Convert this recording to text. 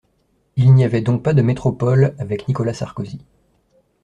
Il n’y avait donc pas de métropole avec Nicolas Sarkozy.